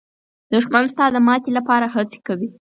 دښمن ستا د ماتې لپاره هڅې کوي